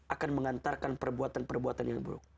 akan mengantarkan perbuatan perbuatan yang buruk